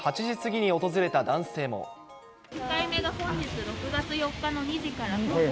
１回目が本日６月４日の２時から。